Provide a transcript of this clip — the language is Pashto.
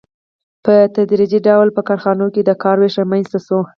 په تدریجي ډول په کارخانو کې د کار وېش رامنځته شو